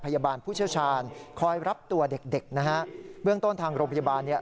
พยาบาลผู้เชี่ยวชาญคอยรับตัวเด็กเด็กนะฮะเบื้องต้นทางโรงพยาบาลเนี่ย